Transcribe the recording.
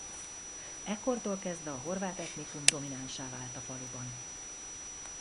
Ekkortól kezdve a horvát etnikum dominánssá vált a faluban.